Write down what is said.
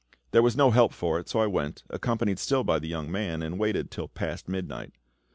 There was no help for it, so I went, accompanied still by the young man, and waited till past midnight.